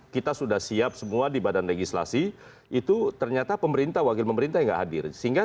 kita sudah siap semua di badan legislasi itu ternyata pemerintah wakil pemerintah yang nggak hadir sehingga